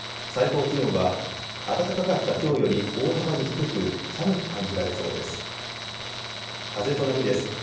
最高気温は暖かかったきょうより大幅に低く寒く感じられそうです。